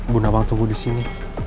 bu nawang tunggu disini